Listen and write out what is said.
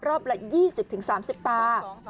รอบละ๒๐๓๐ตา